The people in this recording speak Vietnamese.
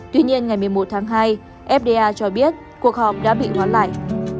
tuy nhiên ngày một mươi một tháng hai fda cho biết cuộc họp đã bị hoán lại